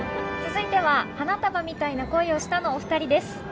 続いては、花束みたいな恋をしたのお２人です。